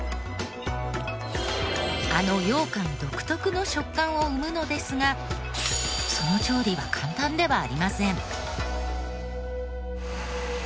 あのようかん独特の食感を生むのですがその調理は簡単ではありません。